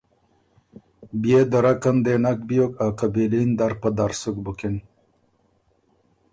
بيې درک ان دې نک بیوک۔ ا قبیلي ن در په در سُک بُکِن،